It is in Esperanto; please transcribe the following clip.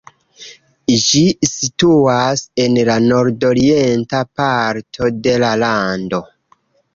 Ĝi situas en la nordorienta parto de la lando.